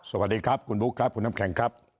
สวัสดีครับคุณบุ๊คครับคุณน้ำแข็งครับ